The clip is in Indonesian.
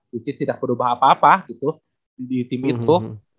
which is tidak berubah apa apa gitu di tim itu